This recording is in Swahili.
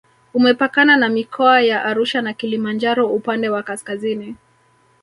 Umepakana na mikoa ya Arusha na Kilimanjaro upande wa kaskazini